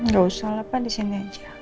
gak usah lah pak disini aja